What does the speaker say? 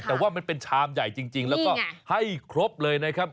แต่ว่ามันเป็นชามใหญ่จริงแล้วก็ให้ครบเลยนะครับ